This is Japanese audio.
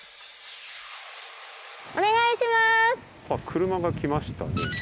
車が来ましたね。